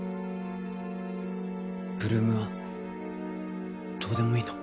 ８ＬＯＯＭはどうでもいいの？